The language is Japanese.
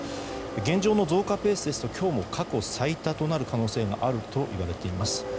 現状の増加ペースですと今日も過去最多となる可能性があるといわれています。